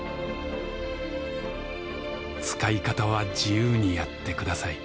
「使い方は自由にやってください。